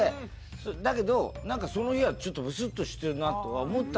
だけどなんかその日はちょっとぶすっとしてるなとは思ったんだけど。